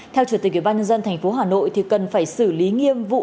theo chủ tịch ủy ban nhân dân tp hà nội thì cần phải xử lý nghiêm vụ